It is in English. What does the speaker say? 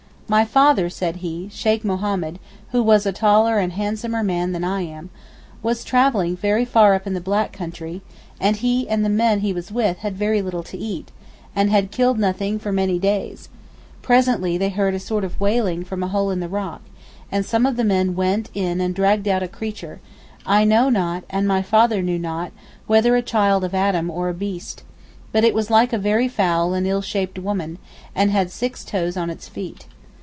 'My father,' said he, 'Sheykh Mohammed (who was a taller and handsomer man than I am), was once travelling very far up in the black country, and he and the men he was with had very little to eat, and had killed nothing for many days; presently they heard a sort of wailing from a hole in the rock, and some of the men went in and dragged out a creature—I know not, and my father knew not, whether a child of Adam or a beast. But it was like a very foul and ill shaped woman, and had six toes on its feet.